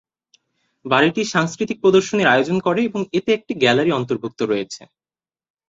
বাড়িটি সাংস্কৃতিক প্রদর্শনীর আয়োজন করে এবং এতে একটি গ্যালারী অন্তর্ভুক্ত রয়েছে।